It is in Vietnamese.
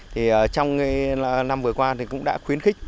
thì trong năm vừa qua thì cũng đã khuyến khích